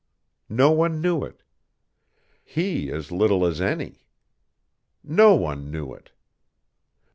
No one knew it. He as little as any. No one knew it.